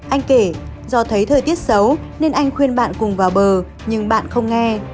anh kể do thấy thời tiết xấu nên anh khuyên bạn cùng vào bờ nhưng bạn không nghe